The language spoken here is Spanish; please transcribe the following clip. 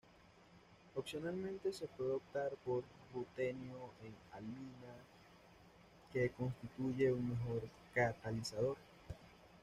Opcionalmente se puede optar por rutenio en alúmina que constituyen un mejor catalizador.